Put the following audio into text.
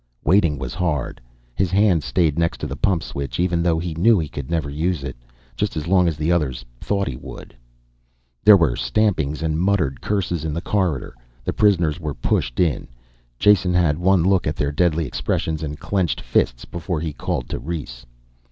Waiting was hard. His hand stayed next to the pump switch, even though he knew he could never use it. Just as long as the others thought he would. There were stampings and muttered curses in the corridor; the prisoners were pushed in. Jason had one look at their deadly expressions and clenched fists before he called to Rhes.